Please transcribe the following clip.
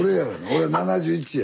俺７１や。